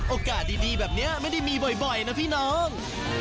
โอกาสดีแบบนี้ไม่ได้มีบ่อยนะพี่น้อง